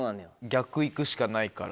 逆いくしかないから。